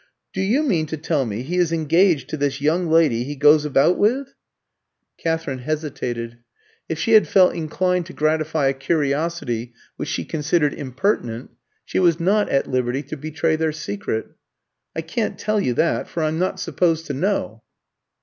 "Do you mean to tell me he is engaged to this young lady he goes about with?" Katherine hesitated: if she had felt inclined to gratify a curiosity which she considered impertinent, she was not at liberty to betray their secret. "I can't tell you that, for I'm not supposed to know."